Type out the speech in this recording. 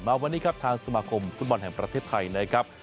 มาวันนี้ครับทางสมาคมฟุตบอลแห่งประเทศไทยนะครับ